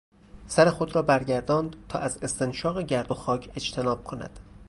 سر خود را برگرداند تا از استنشاق گردوخاک اجتناب کند.